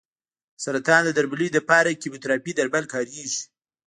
د سرطان د درملنې لپاره کیموتراپي درمل کارېږي.